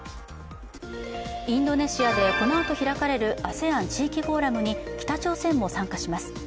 インドネシアでこのあと開かれるＡＳＥＡＮ地域フォーラムに北朝鮮も参加します。